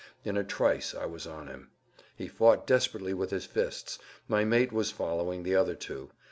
In a trice I was on him; he fought desperately with his fists; my mate was following the other two.